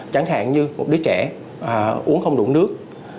chẳng hạn như một đứa trẻ uống không đủ nước